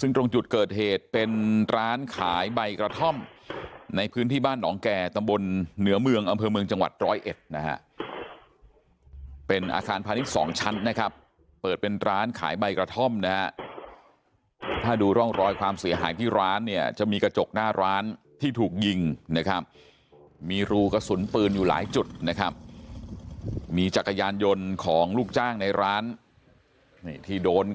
ซึ่งตรงจุดเกิดเหตุเป็นร้านขายใบกระท่อมในพื้นที่บ้านหนองแก่ตำบลเหนือเมืองอำเภอเมืองจังหวัดร้อยเอ็ดนะฮะเป็นอาคารพาณิชย์สองชั้นนะครับเปิดเป็นร้านขายใบกระท่อมนะฮะถ้าดูร่องรอยความเสียหายที่ร้านเนี่ยจะมีกระจกหน้าร้านที่ถูกยิงนะครับมีรูกระสุนปืนอยู่หลายจุดนะครับมีจักรยานยนต์ของลูกจ้างในร้านนี่ที่โดน